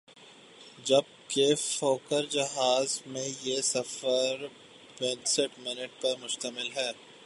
جبکہ فوکر جہاز میں یہ سفر پینتایس منٹ پر مشتمل ہے ۔